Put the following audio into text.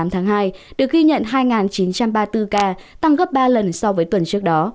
tám tháng hai được ghi nhận hai chín trăm ba mươi bốn ca tăng gấp ba lần so với tuần trước đó